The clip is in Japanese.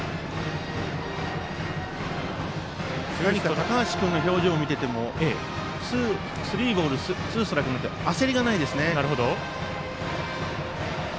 高橋君の表情を見ていてもスリーボールツーストライクになって焦りがないんですよね。